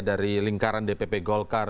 dari lingkaran dpp golkar